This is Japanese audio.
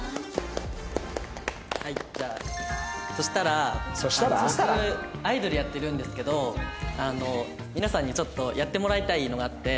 はいじゃあそしたら僕アイドルやってるんですけど皆さんにちょっとやってもらいたいのがあって。